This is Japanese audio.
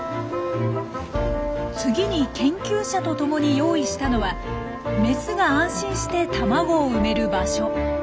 次に研究者とともに用意したのはメスが安心して卵を産める場所。